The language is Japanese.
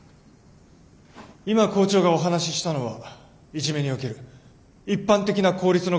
今校長がお話ししたのはいじめにおける一般的な公立の学校の対応です。